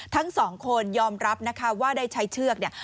ทั้งสองคนยอมรับนะคะว่าได้ใช้เชือกเนี่ย